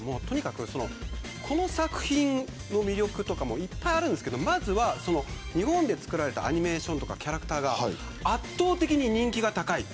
この作品の魅力いっぱいあるんですけどまずは日本で作られたアニメーションやキャラクターが圧倒的に人気が高い。